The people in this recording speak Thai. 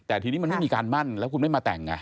แต่ทีนี้มันไม่มีการมั่นแล้วคุณไม่มาแต่ง